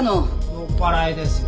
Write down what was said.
酔っ払いですよ。